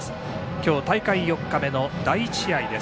今日大会４日目の第１試合です。